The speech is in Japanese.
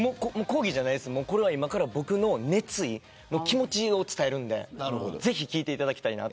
今から僕の熱意、気持ちを伝えるのでぜひ聞いていただきたい。